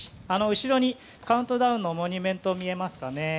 後ろにカウントダウンのモニュメント、見えますかね。